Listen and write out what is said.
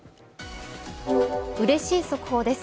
うれしい速報です。